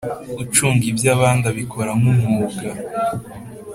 Ucunga iby abandi abikora nku umwuga